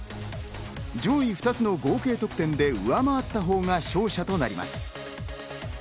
上位２つの合計得点で上回ったほうが勝者となります。